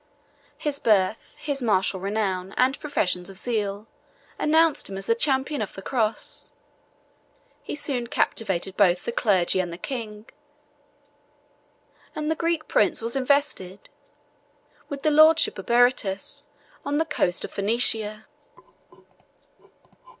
His birth, his martial renown, and professions of zeal, announced him as the champion of the Cross: he soon captivated both the clergy and the king; and the Greek prince was invested with the lordship of Berytus, on the coast of Phoenicia.